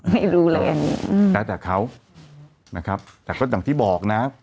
ไม่รู้เลยอันนี้แล้วแต่เขานะครับแต่ก็อย่างที่บอกนะ